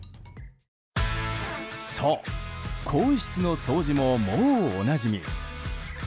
そう、更衣室の掃除ももうおなじみ。